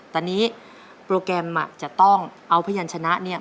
ตอนนี้โปรแกรมจะต้องเอาพยานชนะเนี่ย